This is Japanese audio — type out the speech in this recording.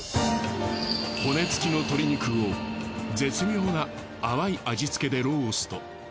骨付きの鶏肉を絶妙な淡い味付けでロースト。